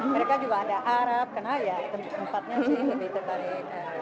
mereka juga ada arab kenal ya tempatnya sih